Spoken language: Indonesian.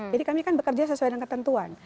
jadi kami kan bekerja sesuai dengan ketentuan